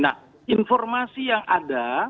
nah informasi yang ada